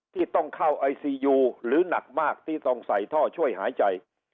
ที่ต้องเข้าไอซียูหรือหนักมากที่ต้องใส่ท่อช่วยหายใจ